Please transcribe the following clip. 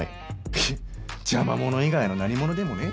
フッ邪魔者以外の何者でもねえだろ。